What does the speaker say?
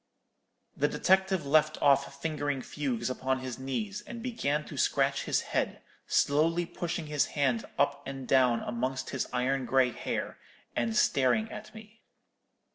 "The detective left off fingering fugues upon his knees, and began to scratch his head, slowly pushing his hand up and down amongst his iron grey hair, and staring at me.